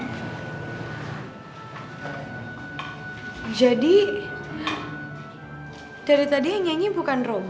hai jadi dari tadi nyanyi bukan robby